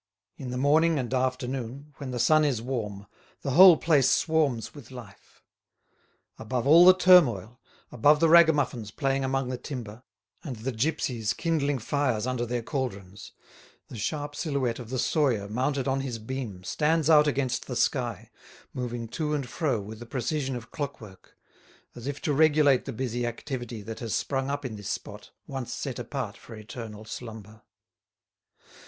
In the morning and afternoon, when the sun is warm, the whole place swarms with life. Above all the turmoil, above the ragamuffins playing among the timber, and the gipsies kindling fires under their cauldrons, the sharp silhouette of the sawyer mounted on his beam stands out against the sky, moving to and fro with the precision of clockwork, as if to regulate the busy activity that has sprung up in this spot once set apart for eternal slumber.